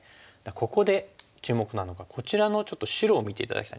ここで注目なのがこちらのちょっと白を見て頂きたいんですけども。